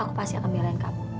aku pasti akan melainkan kamu